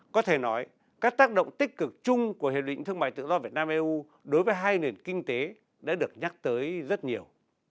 có thể nói các tác động tích cực chung của hiệp định thương mại tự do việt nam eu đối với hai nền kinh tế đã được nhắc tới rất nhiều